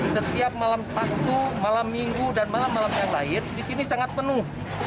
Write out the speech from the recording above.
setiap malam waktu malam minggu dan malam malam yang lain di sini sangat penuh